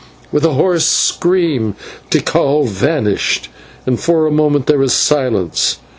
With a hoarse scream, Tikal vanished, and for a moment there was silence.